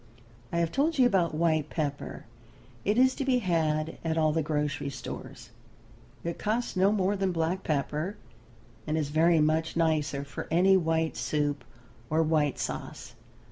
I have told you about white pepper. It is to be had at all the grocery stores; it costs no more than black pepper and is very much nicer for any white soup or white sauce.